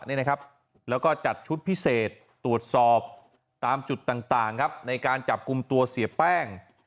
แล้วก็จัดชุดพิเศษตรวจสอบตามจุดต่างครับในการจับกลุ่มตัวเสียแป้ง